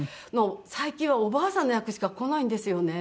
最近はおばあさんの役しか来ないんですよね。